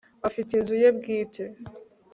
afite inzu ye bwite